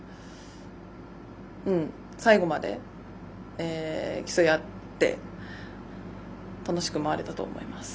最後まで競い合って楽しく回れたと思います。